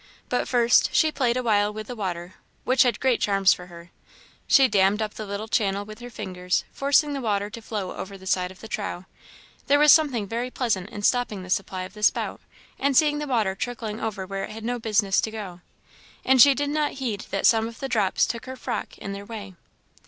But first, she played awhile with the water, which had great charms for her. She dammed up the little channel with her fingers, forcing the water to flow over the side of the trough; there was something very pleasant in stopping the supply of the spout, and seeing the water trickling over where it had no business to go; and she did not heed that some of the drops took her frock in their way.